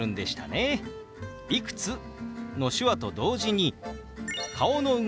「いくつ？」の手話と同時に顔の動き